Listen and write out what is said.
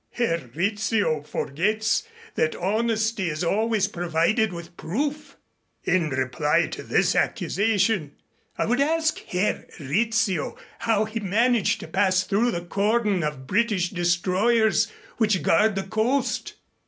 Herr Rizzio forgets that honesty is always provided with proof. In reply to this accusation, I would ask Herr Rizzio how he managed to pass through the cordon of British destroyers which guard the coast?"